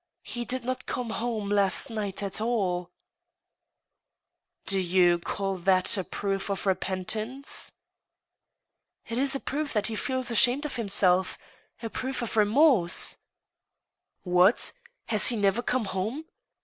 He did not come home last night at all I "" Do you c^ that a proof of repentance ?"" It is a proof that he feels ashamed of himself ra proof of re morse !"*' What I has he never come home